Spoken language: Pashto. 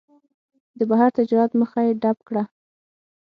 د بهر تجارت مخه یې ډپ کړه.